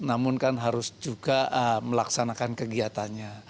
namun kan harus juga melaksanakan kegiatannya